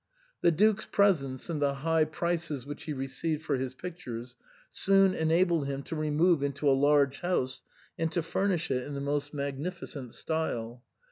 The Duke's presents and the high prices which he received for his pictures soon enabled him to remove into a large house and to fur nish it in the most magnificent style.